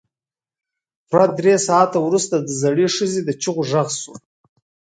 پوره درې ساعته وروسته د زړې ښځې د چيغو غږ شو.